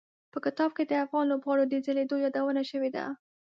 په کتاب کې د افغان لوبغاړو د ځلېدو یادونه شوي ده.